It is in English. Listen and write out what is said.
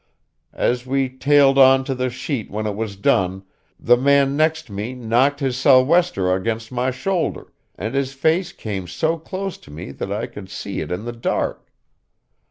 As we tailed on to the sheet when it was done, the man next me knocked his sou'wester off against my shoulder, and his face came so close to me that I could see it in the dark.